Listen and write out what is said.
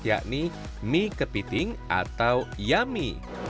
yakni mie kepiting atau yami